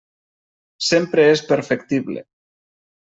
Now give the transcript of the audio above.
Sempre és perfectible.